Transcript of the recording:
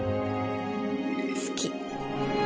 好き。